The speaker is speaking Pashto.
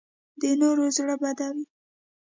د نورو زړه بدوي